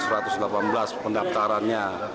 hari kemarin satu ratus delapan belas pendaftarannya